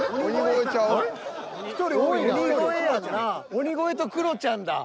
鬼越とクロちゃんだ。